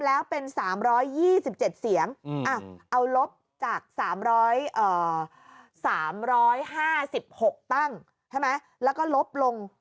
แล้วเป็น๓๒๗เสียงเอาลบจาก๓๕๖ตั้งใช่ไหมแล้วก็ลบลง